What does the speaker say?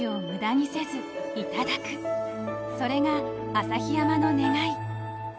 ［それが旭山の願い］